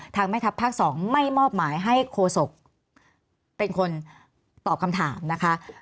แม่ทัพภาค๒ไม่มอบหมายให้โคศกเป็นคนตอบคำถามนะคะ